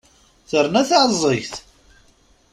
Terna taεẓegt!